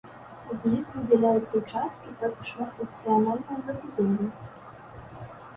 З іх выдзяляюцца ўчасткі пад шматфункцыянальныя забудовы.